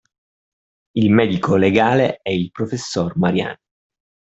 Il medico legale e il professor Mariani